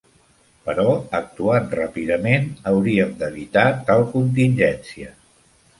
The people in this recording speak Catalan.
Però actuant ràpidament hauríem d'evitar tal contingència.